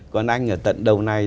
còn anh ở tận đầu này